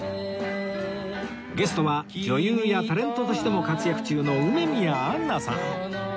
ゲストは女優やタレントとしても活躍中の梅宮アンナさん